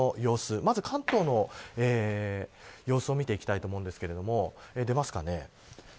まず関東の様子を見ていきたいと思うんですけれども出ますかね。